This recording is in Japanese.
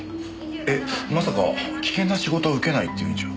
えっまさか危険な仕事を受けないっていうんじゃ。